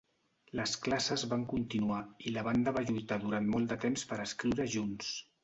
Les classes van continuar i la banda va lluitar durant molt de temps per escriure junts.